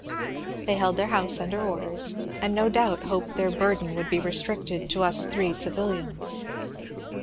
They held their house under orders, and no doubt hoped their burden would be restricted to us three civUians.